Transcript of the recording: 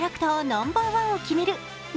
ナンバーワンを決める